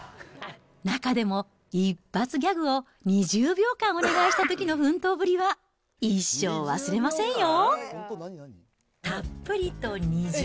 中でも一発ギャグを２０秒間お願いしたときの奮闘ぶりは一生忘れませんよ。